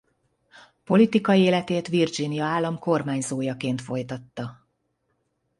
Politikai életét Virginia állam kormányzójaként folytatta.